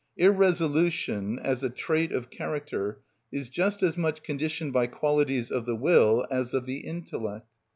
Irresolution, as a trait of character, is just as much conditioned by qualities of the will as of the intellect.